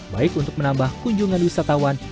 baik untuk menambah kunjungan wisatawan